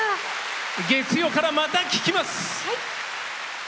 月曜から、また聴きます！